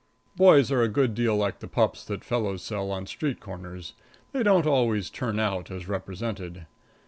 Boys are a good deal like the pups that fellows sell on street corners they don't always turn out as represented.